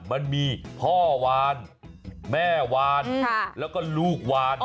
มันมีพ่อวานแม่วานแล้วก็ลูกวาน